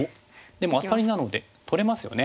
でもアタリなので取れますよね。